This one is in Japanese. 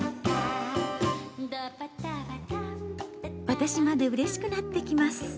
私までうれしくなってきます。